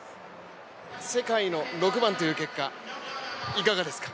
世界の６番という結果、いかがですか？